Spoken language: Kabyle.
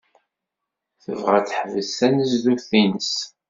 Tebɣa ad teḥbes tanezzut-nnes.